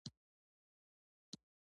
کوږ ذهن له خوشبینۍ بد وړي